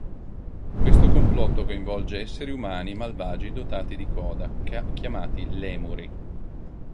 Questo complotto coinvolge esseri umani malvagi dotati di coda, chiamati "Lemuri".